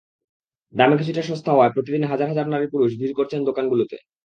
দামে কিছুটা সস্তা হওয়ায় প্রতিদিন হাজার হাজার নারী-পুরুষ ভিড় করছেন দোকানগুলোতে।